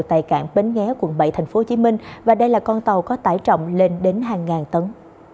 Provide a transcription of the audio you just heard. tại cảng bến ghé quận bảy tp hcm và đây là con tàu có tải trọng lên đến hàng ngàn tấn